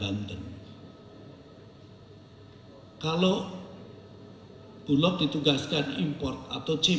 yang mengusahakan sebagian dari construir